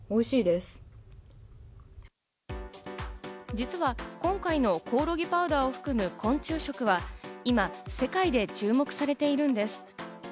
実は今回のコオロギパウダーを含む昆虫食は今、世界で注目されているんです。